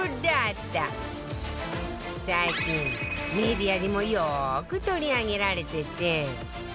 最近メディアにもよく取り上げられてて